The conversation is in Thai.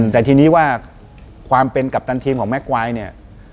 แต่ทีนี้ว่าความเป็นกัปตันทีมของแม่ควายเนี่ย